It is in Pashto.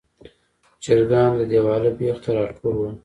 چرګان د دیواله بیخ ته راټول ول.